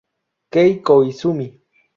Kei Koizumi